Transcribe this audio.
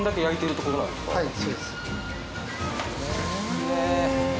きれい。